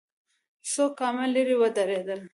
څو ګامه ليرې ودرېدل.